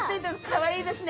かわいいですね。